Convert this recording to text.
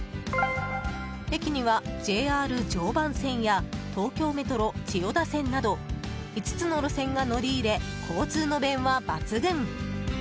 駅にはＪＲ常磐線や東京メトロ千代田線など５つの路線が乗り入れ交通の便は抜群！